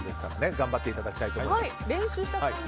頑張っていただきたいと思います。